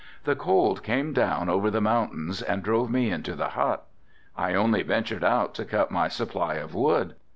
The cold came down over the mountains and drove me into the hut. I only ventured out to cut my supply of wood.